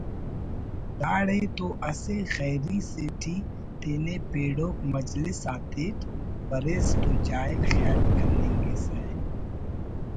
داڑے تو اسہ خیری سے ٹی تینے پیڑوک مجلس آتیٹ بریس تو جاہل خیال کننگسہ